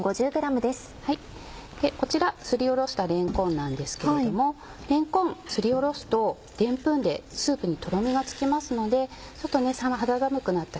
こちらすりおろしたれんこんなんですけれどもれんこんすりおろすとでんぷんでスープにとろみがつきますので肌寒くなった